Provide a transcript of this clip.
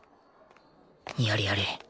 やれやれ。